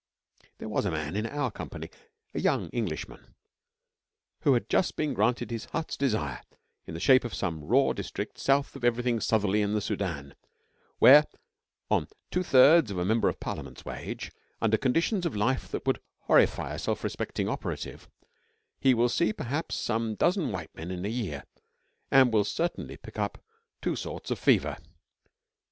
There was a man in our company a young Englishman who had just been granted his heart's desire in the shape of some raw district south of everything southerly in the Sudan, where, on two thirds of a member of Parliament's wage, under conditions of life that would horrify a self respecting operative, he will see perhaps some dozen white men in a year, and will certainly pick up two sorts of fever.